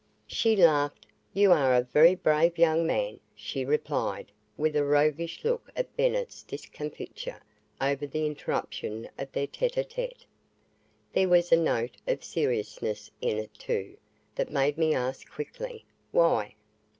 She laughed. "You are a very brave young man," she replied with a roguish look at Bennett's discomfiture over the interruption of the tete a tete. There was a note of seriousness in it, too, that made me ask quickly, "Why?"